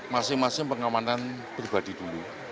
masing masing pengamanan pribadi dulu